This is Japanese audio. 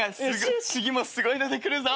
次もすごいので来るぞ。